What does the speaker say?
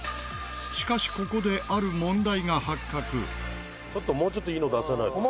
しかしここでちょっともうちょっといいの出さないとさ。